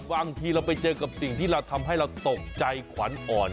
บางทีเราไปเจอกับสิ่งที่เราทำให้เราตกใจขวัญอ่อน